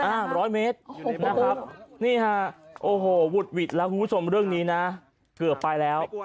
ร้อยเมตรนะครับนี่ฮะโอ้โหวุดหวิดแล้วคุณผู้ชมเรื่องนี้นะเกือบไปแล้ว